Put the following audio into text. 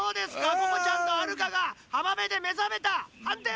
ここちゃんとはるかが浜辺で目覚めたはんていは！？